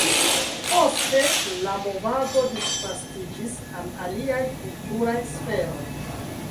Poste la movado disvastiĝis al aliaj kulturaj sferoj.